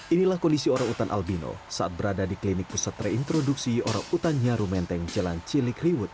inilah kondisi orangutan albino saat berada di klinik pusat reintroduksi orangutan nyaru menteng jalan cilik rewood